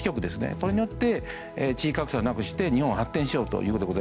これによって地域格差をなくして日本を発展させようと。